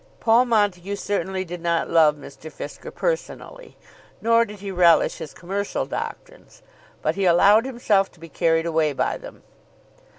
Paul Montague certainly did not love Mr. Fisker personally, nor did he relish his commercial doctrines; but he allowed himself to be carried away by them.